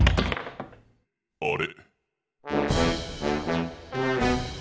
あれ？